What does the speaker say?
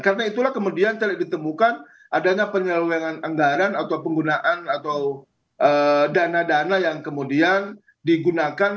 karena itulah kemudian tidak ditemukan adanya penyelenggaraan anggaran atau penggunaan atau dana dana yang kemudian digunakan